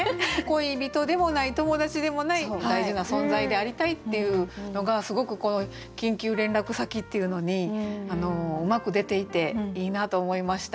恋人でもない友達でもない大事な存在でありたいっていうのがすごくこの「緊急連絡先」っていうのにうまく出ていていいなと思いました。